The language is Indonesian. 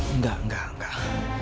enggak enggak enggak